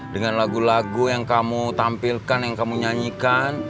dengan lagu lagu yang kamu tampilkan yang kamu nyanyikan